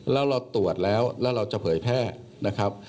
แล้วเราตรวจแล้วแล้วเราจะเผยแพร่นะครับ